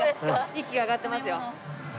息が上がってますよ。